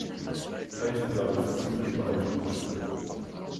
Altengamme verfügt über eine Grundschule.